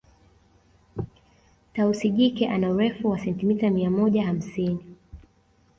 Tausi jike ana Urefu wa sentimita mia moja hamsini